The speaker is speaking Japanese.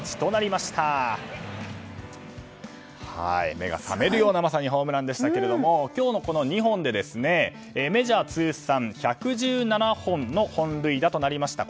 まさに目が覚めるようなホームランでしたけども今日のこの２本でメジャー通算１１７本の本塁打となりました。